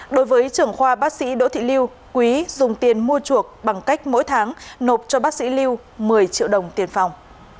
đối với trưởng khoa bác sĩ đỗ thị liêu quý dùng tiền mua chuộc bằng cách mỗi tháng nộp cho bác sĩ lưu một mươi triệu đồng tiền phòng